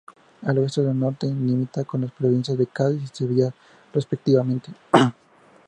Al oeste y al norte, limita con las provincia de Cádiz y Sevilla respectivamente.